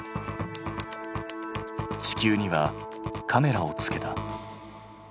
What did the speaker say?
地球にはカメラを付けた。